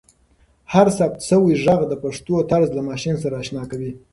هر ثبت شوی ږغ د پښتو طرز له ماشین سره اشنا کوي.